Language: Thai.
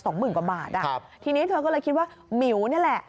สองหมื่นกว่าบาททีนี้เธอก็เลยคิดว่าหมิวนี่แหละ